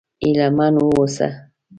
هيله من و اوسه!